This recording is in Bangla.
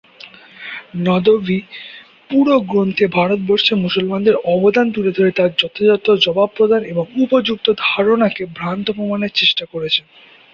নদভী পুরো গ্রন্থে ভারতবর্ষে মুসলমানদের অবদান তুলে ধরে তার যথাযথ জবাব প্রদান এবং উপর্যুক্ত ধারণাকে ভ্রান্ত প্রমাণের চেষ্টা করেছেন।